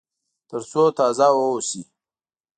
تر څو تازه واوسي.